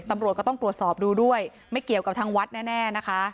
ตำรวจก็ต้องตรวจสอบดูด้วยไม่เกี่ยวกับทางวัดแน่นะคะ